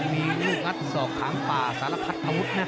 มีลูกนัดสอบข้างป่าสารพัดพระมุทธนะ